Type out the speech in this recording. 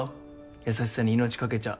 優しさに命懸けちゃ。